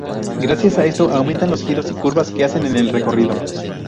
Gracias a esto aumentan los giros y curvas que hacen en el recorrido.